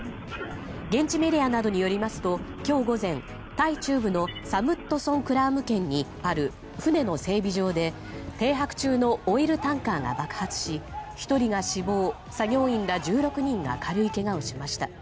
現地メディアなどによりますと今日午前、タイ中部のサムットソンクラーム県にある船の整備場で停泊中のオイルタンカーが爆発し１人が死亡、作業員ら１６人が軽いけがをしました。